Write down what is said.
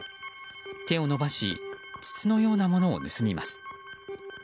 手を伸ばし筒のようなものを盗みます。